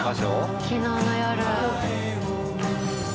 昨日の夜。